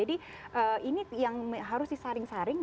ini yang harus disaring saring